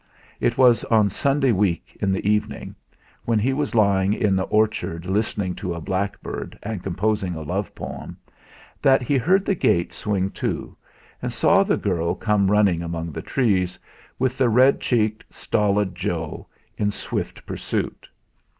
It was on Sunday week in the evening, when he was lying in the orchard listening to a blackbird and composing a love poem, that he heard the gate swing to, and saw the girl come running among the trees, with the red cheeked, stolid Joe in swift pursuit.